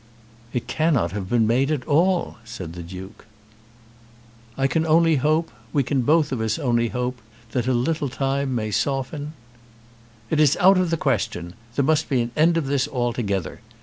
"It cannot have been made at all," said the Duke. "I can only hope, we can both of us only hope that a little time may soften " "It is out of the question. There must be an end of this altogether.